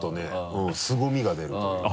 うんすごみが出るというか。